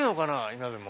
今でも。